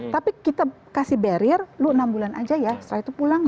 tapi kita kasih barrier lu enam bulan aja ya setelah itu pulang